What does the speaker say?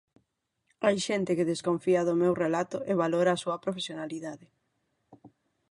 Hai xente que desconfía do meu relato e valora a súa profesionalidade.